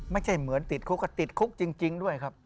ไม่ใช่เหมือนติดคุกก็ติดคุกจริงด้วยครับ